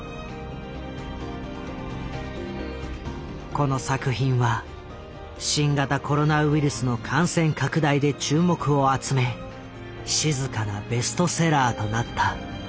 この作品は新型コロナウイルスの感染拡大で注目を集め静かなベストセラーとなった。